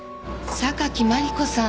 榊マリコさん！